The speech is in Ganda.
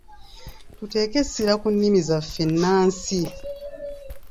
Tuteeke essira ki nnimi zaffe ennansi.